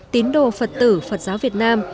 tín đồ phật tử phật giáo việt nam